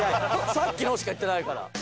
「さっきの」しか言ってないから。